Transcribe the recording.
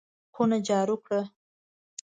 خونه جارو کړه!